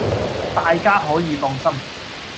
大家可以放心！